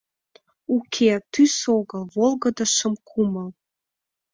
Уке, тӱс огыл — волгыдо шым кумыл!